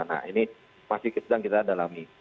nah ini masih sedang kita dalami